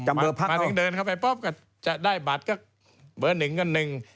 เบอร์พักมาถึงเดินเข้าไปปุ๊บก็จะได้บัตรก็เบอร์หนึ่งก็หนึ่ง